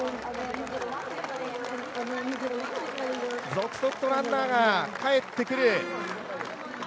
続々とランナーが帰ってくる。